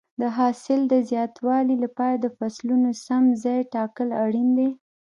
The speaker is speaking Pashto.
د حاصل د زیاتوالي لپاره د فصلونو سم ځای ټاکل اړین دي.